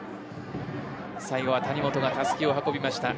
最後は谷本がたすきを運びました。